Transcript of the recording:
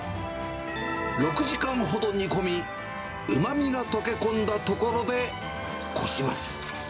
６時間ほど煮込み、うまみが溶け込んだところでこします。